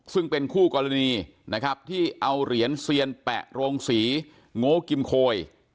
ซึ่งเป็นคู่กรณีนะครับที่เอาเหรียญเซียนแปะโรงสีโง่กิมโคย